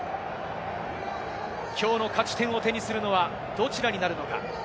きょうの勝ち点を手にするのは、どちらになるのか。